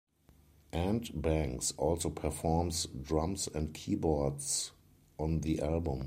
Ant Banks also performs drums and keyboards on the album.